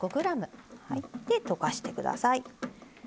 で溶かしてください。